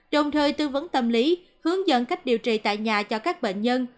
đồng thời tư vấn tâm lý hướng dẫn cách điều trị tại nhà cho các bệnh nhân